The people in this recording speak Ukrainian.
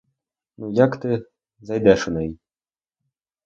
Ну, як ти зайдеш у неї!